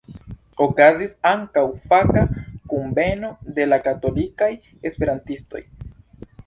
Okazis ankaŭ faka kunveno de la katolikaj esperantistoj.